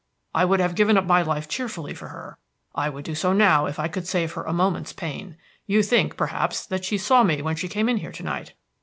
I would have given up my life cheerfully for her; I would do so now if I could save her a moment's pain. You think, perhaps, that she saw me when she came in here to night.